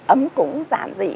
ấm cúng giản dị